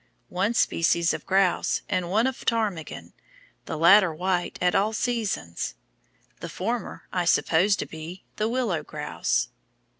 One species of Grouse, and one of Ptarmigan, the latter white at all seasons; the former, I suppose to be, the Willow Grouse.